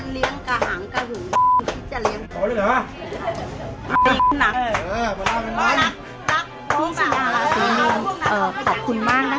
เห็นตาลมันน่าจะเนินขาามมากเลย